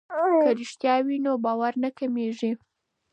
که رښتیا وي نو باور نه کمیږي.